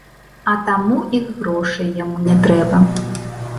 А таму і грошай яму не трэба.